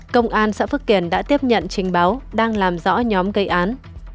công an xã phước kiển đã tiếp nhận trình báo đang làm rõ nhóm gây án